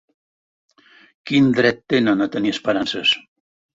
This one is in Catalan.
Quin dret tenen a tenir esperances?